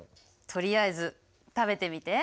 とりあえず食べてみて。